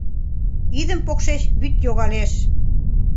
Идым покшеч вӱд йогалеш